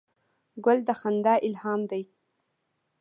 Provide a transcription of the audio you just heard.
ګل د خندا الهام دی.